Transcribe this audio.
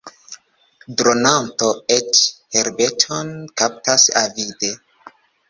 Dronanto eĉ herbeton kaptas avide.